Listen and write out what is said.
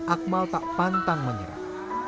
akmal tak pantang menyerah